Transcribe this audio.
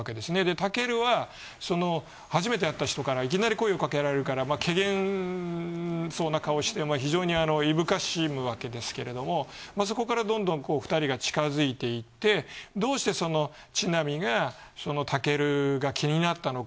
タケルはその初めて会った人からいきなり声をかけられるからけげんそうな顔をして非常にいぶかしむわけですけれどもそこからどんどん２人が近づいていってどうして千波がタケルが気になったのか？